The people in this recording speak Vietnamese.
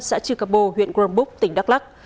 xã trường cập bồ huyện gromboop tỉnh đắk lắc